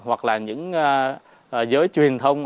hoặc là những giới truyền thông